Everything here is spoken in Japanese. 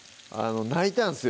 泣いたんですよ